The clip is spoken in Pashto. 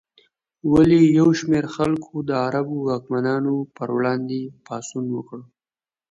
ولې یو شمېر خلکو د عربو واکمنانو پر وړاندې پاڅون وکړ؟